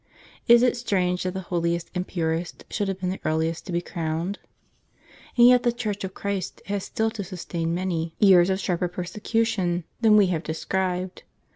Is it strange that the holiest and purest should have been the earliest to be crowned ? And yet the Church of Christ has still to sustain many ^ years of sharper persecution than we have described.